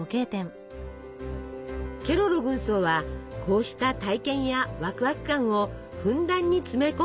ケロロ軍曹はこうした体験やワクワク感をふんだんに詰め込んだ作品。